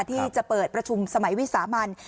ที่จะเปิดประชุมสมัยวิสามัน